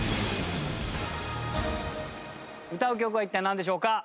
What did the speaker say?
歌う曲は一体なんでしょうか？